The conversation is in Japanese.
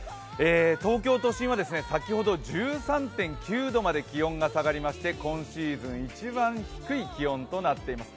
東京都心は先ほど１３．９度まで気温が下がりまして今シーズン一番低い気温となっています。